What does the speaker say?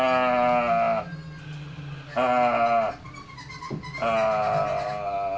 ああ。